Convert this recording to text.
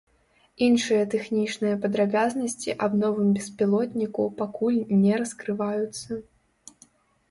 Іншыя тэхнічныя падрабязнасці аб новым беспілотніку пакуль не раскрываюцца.